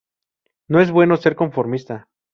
No es bueno ser conformista.